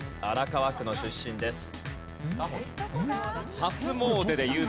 荒川区の出身です。